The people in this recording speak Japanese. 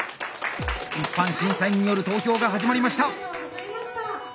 一般審査員による投票が始まりました。